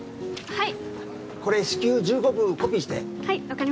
はい。